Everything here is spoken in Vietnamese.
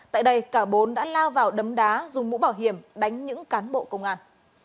tại đây cả bốn đã lao vào đấm đá dùng mũ bảo hiểm đánh những cán bộ công an